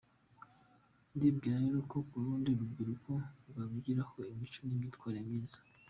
Ndibwira rero ko urundi rubyiruko rwabigiraho imico n’imyitwarire myiza.